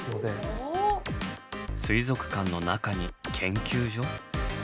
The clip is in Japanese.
水族館の中に研究所？